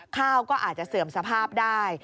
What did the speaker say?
ข้าวก็อาจจะเสื่อมสภาพได้